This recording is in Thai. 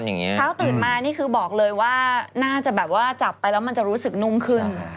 เช้าตื่นมานี่คือบอกเลยว่าน่าจะแบบว่าจับไปแล้วมันจะรู้สึกนุ่มขึ้น